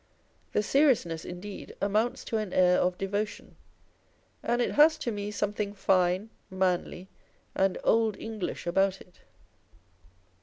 The seriousness, indeed, amounts to an air of devotion ; and it has to me something fine, manly, and old English about it.